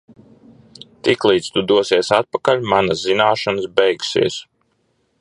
Tiklīdz tu dosies atpakaļ, manas zināšanas beigsies.